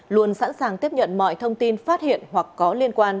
luôn sẵn sàng tiếp nhận mọi thông tin phát hiện hoặc có liên quan